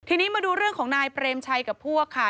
ทีนี้มาดูเรื่องของนายเปรมชัยกับพวกค่ะ